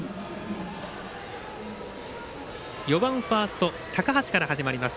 ４番、ファースト高橋から始まります。